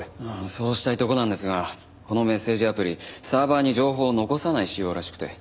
そうしたいとこなんですがこのメッセージアプリサーバーに情報を残さない仕様らしくて。